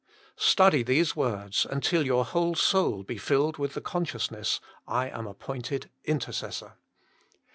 Study these words until your whole soul be filled with the con sciousness, I am appointed intercessor.